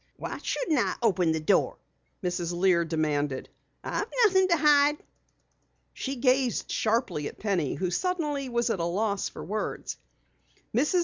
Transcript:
"Why shouldn't I open the door?" Mrs. Lear demanded. "I've nothing to hide." She gazed sharply at Penny, who suddenly was at a loss for words. Mrs.